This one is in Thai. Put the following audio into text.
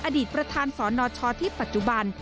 อดีตประธานสนชที่ปัจจุบัน